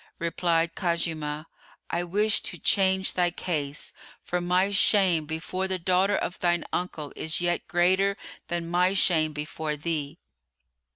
Replied Khuzaymah, "I wish to change thy case, for my shame before the daughter of thine uncle is yet greater than my shame before thee."